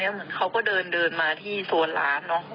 แล้วพวกนี้เขาก็เดินมาที่โซนร้านนะคะ